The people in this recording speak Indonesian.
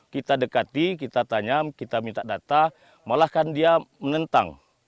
kita dekati kita tanya kita minta data malah kan dia menentang